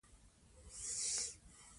دا ټول مالي ارزښت لري.